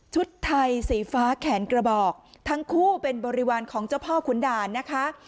ไทยสีฟ้าแขนกระบอกทั้งคู่เป็นบริวารของเจ้าพ่อขุนด่านนะคะ